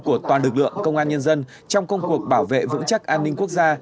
của toàn lực lượng công an nhân dân trong công cuộc bảo vệ vững chắc an ninh quốc gia